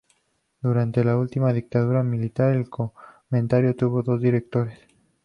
Durante la última dictadura militar, el cementerio tuvo dos directores.